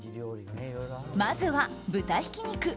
まずは豚ひき肉。